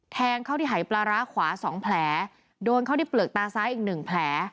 แทงเข้าที่หายปลาร้าขวาสองแผลโดนเข้าที่เปลือกตาซ้ายอีกหนึ่งแผล